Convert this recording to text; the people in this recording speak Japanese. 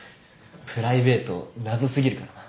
プライベート謎過ぎるからな。